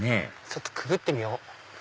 ちょっとくぐってみよう！